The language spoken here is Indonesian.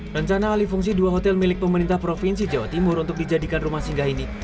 rencana alih fungsi dua hotel milik pemerintah provinsi jawa timur untuk dijadikan rumah singgah ini